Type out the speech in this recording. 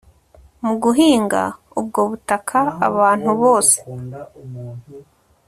mu guhinga ubwo butaka Abantu bose